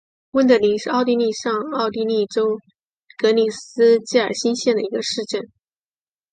温德灵是奥地利上奥地利州格里斯基尔兴县的一个市镇。